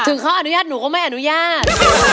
เขาอนุญาตหนูก็ไม่อนุญาต